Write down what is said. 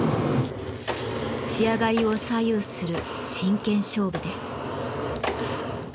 仕上がりを左右する真剣勝負です。